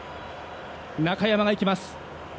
中山がいきます。